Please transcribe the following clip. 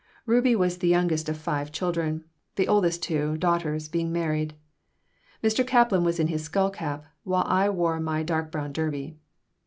Rubie was the youngest of five children, the oldest two, daughters, being married Mr. Kaplan was in his skull cap, while I wore my dark brown derby.